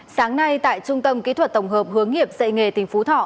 sáng nay tại trung tâm kỹ thuật tổng hợp hướng nghiệp dạy nghề tỉnh phú thọ